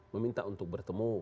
meminta untuk bertemu